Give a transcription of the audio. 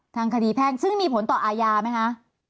ทางคดีแพ่งซึ่งมีผลต่ออาญาไหมคะ